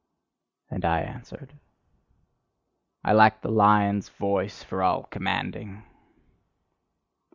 And I answered: "I lack the lion's voice for all commanding."